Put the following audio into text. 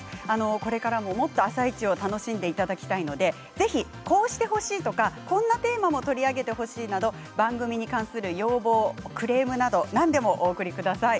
これからも、もっと「あさイチ」を楽しんでいただきたいのでこうしてほしいとかこんなテーマも取り上げてほしいなど番組に関する要望、クレームなど何でもお送りください。